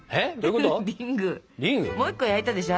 もう１個焼いたでしょ。